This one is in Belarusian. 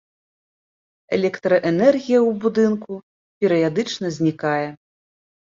Электраэнергія ў будынку перыядычна знікае.